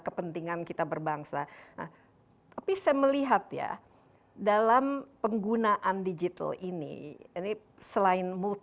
saya ingin pisahkan satu hal beni asing